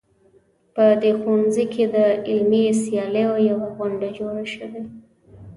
په دې ښوونځي کې د علمي سیالیو یوه غونډه جوړه شوې